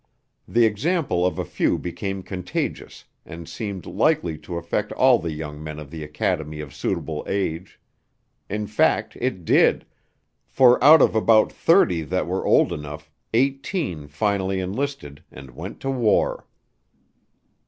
The example of a few became contagious, and seemed likely to affect all the young men of the academy of suitable age. In fact it did, for out of about thirty that were old enough, eighteen finally enlisted and went to war.